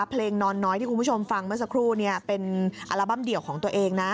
เพลงนอนน้อยที่คุณผู้ชมฟังเมื่อสักครู่เป็นอัลบั้มเดี่ยวของตัวเองนะ